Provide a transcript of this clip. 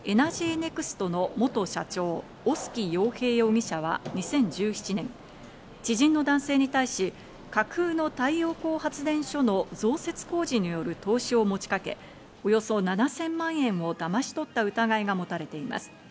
ネクストの元社長・小薄洋平容疑者は２０１７年、知人の男性に対し過去の太陽光発電所の増設工事による投資を持ちかけ、およそ７０００万円をだまし取った疑いが持たれています。